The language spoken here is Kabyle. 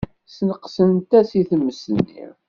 Sneqsent-as i tmes-nni.